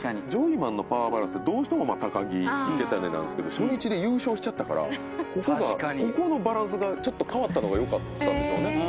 ジョイマンのパワーバランスってどうしても高木池谷なんですけど初日で優勝しちゃったからここのバランスがちょっと変わったのがよかったんでしょうね